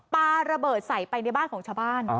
ปลาระเบิดใส่ไปในบ้านของชาวบ้าน